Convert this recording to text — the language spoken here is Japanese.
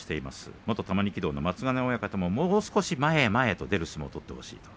元玉力道の松ヶ根親方ももう少し前へ前へ出る相撲を取ってほしい。